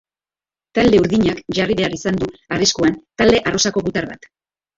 Talde urdinak jarri behar izan du arriskuan talde arrosako gutar bat.